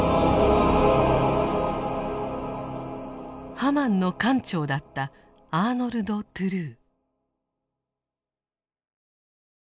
「ハマン」の艦長だったアーノルド・トゥルー。